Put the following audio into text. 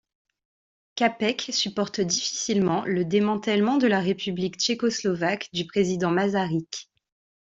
Čapek supporte difficilement le démantèlement de la République tchécoslovaque du président Masaryk.